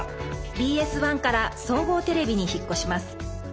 ＢＳ１から総合テレビに引っ越します。